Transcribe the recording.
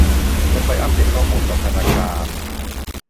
จะไปอัพเดทข้อมูลกับธนาคาร